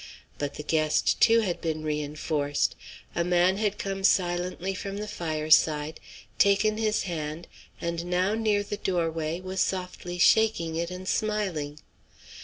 But the guest, too, had been re enforced. A man had come silently from the fireside, taken his hand, and now, near the doorway, was softly shaking it and smiling.